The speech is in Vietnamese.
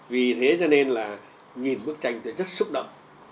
vì thế cho nên là nhìn bức tranh tôi rất xúc động